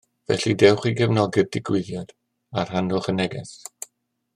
Felly dewch i gefnogi'r digwyddiad a rhannwch y neges